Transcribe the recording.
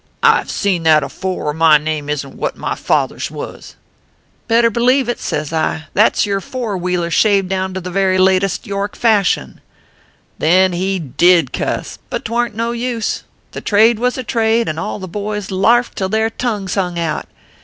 I ve seen that afore, or my name isn t what my father s wus !" c Better blieve it, says I ; that s your four wheeler shaved down to the very latest York fashion/ " Then he did cuss ; but twarn t no use. The trade was a trade, and all the boys larfed till their tongues hung out.